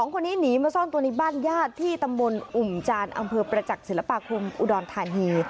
คนนี้หนีมาซ่อนตัวในบ้านญาติที่ตำบลอุ่มจานอำเภอประจักษ์ศิลปาคมอุดรธานี